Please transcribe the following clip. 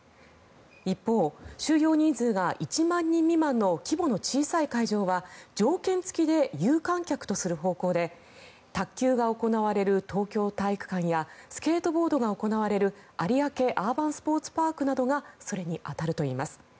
一方、収容人数が１万人未満の規模の小さい会場は条件付きで有観客とする方向で卓球が行われる東京体育館やスケートボードが行われる有明アーバンスポーツパークなどがそれに当たるといいます。